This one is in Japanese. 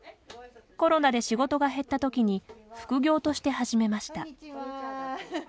コロナで仕事が減ったときに副業として始めました。